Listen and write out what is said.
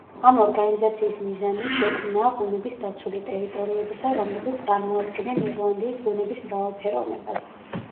ამ ორგანიზაციის მიზანი შექმნაა ბუნების დაცული ტერიტორიებისა, რომლებიც წარმოადგენენ ირლანდიის ბუნების მრავალფეროვნებას.